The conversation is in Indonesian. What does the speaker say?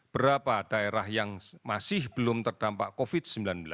berapa daerah yang masih belum terdampak covid sembilan belas